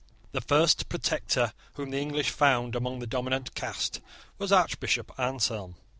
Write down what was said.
The first protector whom the English found among the dominant caste was Archbishop Anselm.